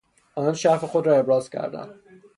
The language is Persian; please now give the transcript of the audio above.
آنان شعف خود را ابراز کردند.